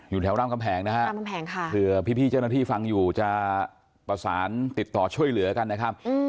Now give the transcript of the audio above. อยู่แถวรามคำแหงนะฮะเผื่อพี่เจ้าหน้าที่ฟังอยู่จะประสานติดต่อช่วยเหลือกันนะครับ